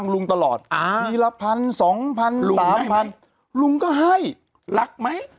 ๒๐๐๐๓๐๐๐ลุงได้ไหมลุงก็ให้รักมั้ย